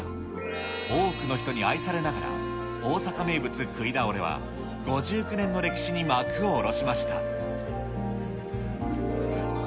多くの人に愛されながら、大阪名物くいだおれは、５９年の歴史に幕を下ろしました。